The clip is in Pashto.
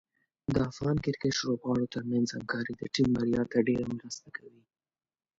د افغان کرکټ لوبغاړو ترمنځ همکاري د ټیم بریا ته ډېره مرسته کوي.